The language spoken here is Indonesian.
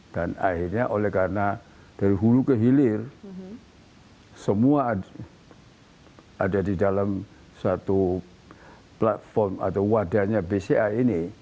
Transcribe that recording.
dan akhirnya oleh karena dari hulu ke hilir semua ada di dalam satu platform atau wadahnya bca ini